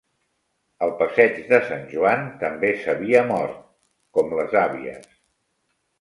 El Passeig de Sant Joan també s'havia mort, com les avies